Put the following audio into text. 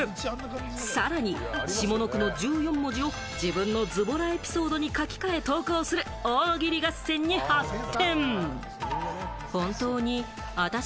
さらに下の句の１４文字を自分のずぼらエピソードに書き換え投稿する、大喜利合戦に発展！